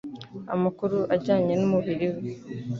amakuru ajyanye n'umubiri we